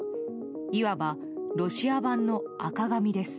いわば、ロシア版の赤紙です。